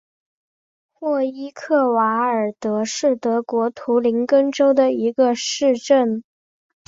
霍伊克瓦尔德是德国图林根州的一个市镇。